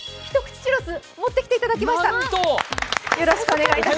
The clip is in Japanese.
チュロス持ってきていただきました。